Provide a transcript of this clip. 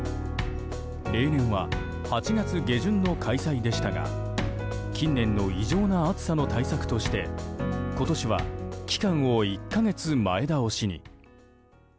例年は８月下旬の開催でしたが近年の異常な暑さの対策として今年は期間を１か月前倒しに。